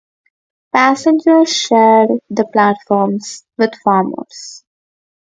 Passengers shared the platforms with farmers.